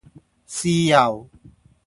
豉油